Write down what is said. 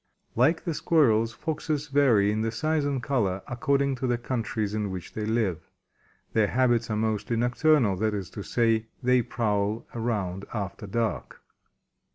] Like the Squirrels, Foxes vary in size and color according to the countries in which they live. Their habits are mostly nocturnal, that is to say, they prowl around after dark.